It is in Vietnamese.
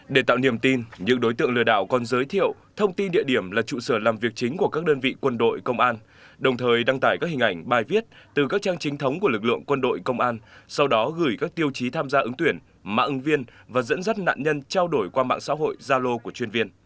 để tạo niềm tin những đối tượng lừa đảo còn giới thiệu thông tin địa điểm là trụ sở làm việc chính của các đơn vị quân đội công an đồng thời đăng tải các hình ảnh bài viết từ các trang trinh thống của lực lượng quân đội công an sau đó gửi các tiêu chí tham gia ứng tuyển mạng ứng viên và dẫn dắt nạn nhân trao đổi qua mạng xã hội gia lô của chuyên viên